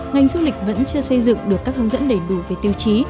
ngành du lịch vẫn chưa xây dựng được các hướng dẫn đầy đủ về tiêu chí